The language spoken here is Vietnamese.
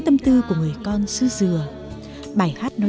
đã cùng với toàn dân ở bến tre